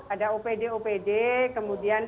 ada opd opd kemudian